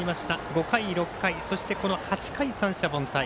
５回、６回そして８回、三者凡退。